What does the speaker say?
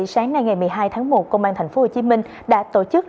sáng nay ngày một mươi hai tháng một công an tp hcm đã tổ chức